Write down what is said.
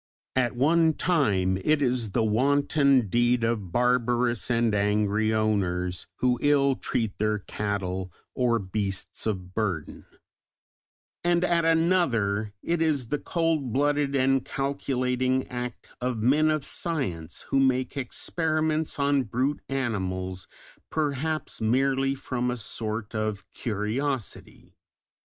At one time it is the wanton deed of barbarous and angry owners who ill treat their cattle, or beasts of burden; and at another it is the cold blooded and calculating act of men of science, who make experiments on brute animals, perhaps merely from a sort of curiosity.